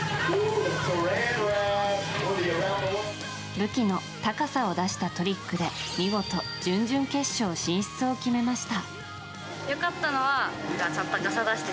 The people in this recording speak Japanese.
武器の高さを出したトリックで見事準々決勝進出を決めました。